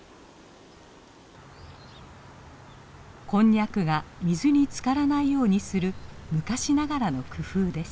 こんにゃくが水につからないようにする昔ながらの工夫です。